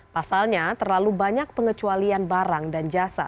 pasalnya terlalu banyak pengecualian barang dan jasa